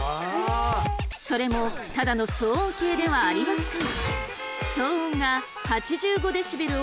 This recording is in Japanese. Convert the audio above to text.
それもただの騒音計ではありません。